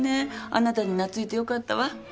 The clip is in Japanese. あなたに懐いてよかったわ。